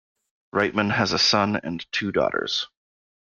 Reitman has a son and two daughters.